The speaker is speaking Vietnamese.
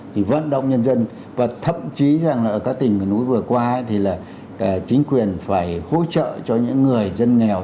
thì vận động nhân dân và thậm chí rằng là ở các tỉnh miền núi vừa qua thì là chính quyền phải hỗ trợ cho những người dân nghèo